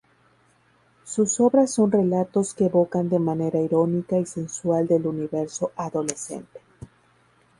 Sus obras son relatos que evocan de manera irónica y sensual del universo adolescente.